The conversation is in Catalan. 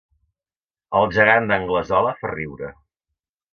El gegant d'Anglesola fa riure